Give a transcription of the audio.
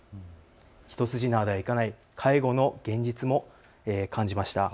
一筋縄ではいかない介護の現実も感じました。